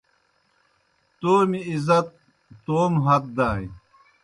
تومیْ عزت توموْ ہت دانیْ